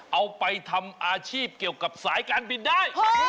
เอาไปทำอาชีพเกี่ยวกับสายการบินได้